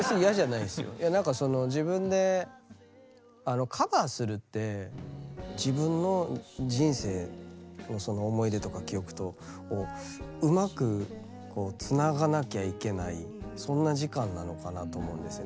いや何かその自分であのカバーするって自分の人生をその思い出とか記憶とをうまくこうつながなきゃいけないそんな時間なのかなと思うんですよね。